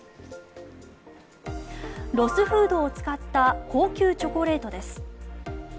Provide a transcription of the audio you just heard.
ロスフードを使った高級チョコレートです。